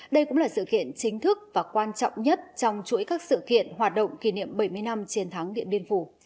đây cũng là sự kiện chính thức và quan trọng nhất trong chuỗi các sự kiện hoạt động kỷ niệm bảy mươi năm chiến thắng điện biên phủ